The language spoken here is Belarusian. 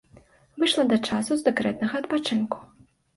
Выйшла да часу з дэкрэтнага адпачынку.